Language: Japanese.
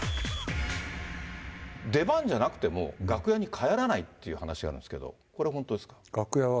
出番じゃなくても、楽屋に帰らないっていう話があるんですけど、これ、本当ですか？